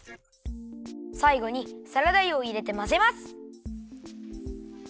さいごにサラダ油をいれてまぜます。